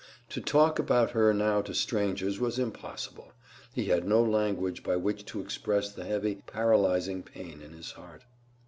To talk about her now to strangers was impossible. He had no language by which to express the heavy, paralyzing pain in his heart.